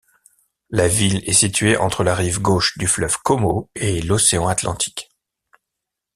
La ville est située entre la rive gauche du fleuve Komo et l'océan Atlantique.